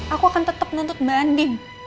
aku akan tetep nuntut banding